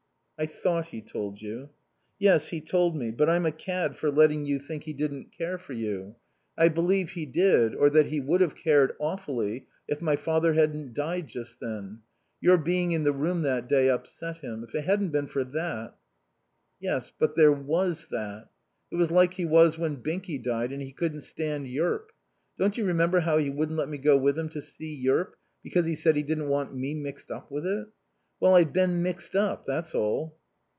"I thought he told you." "Yes, he told me. But I'm a cad for letting you think he didn't care for you. I believe he did, or that he would have cared awfully if my father hadn't died just then. Your being in the room that day upset him. If it hadn't been for that " "Yes, but there was that. It was like he was when Binky died and he couldn't stand Yearp. Don't you remember how he wouldn't let me go with him to see Yearp because he said he didn't want me mixed up with it. Well I've been mixed up, that's all."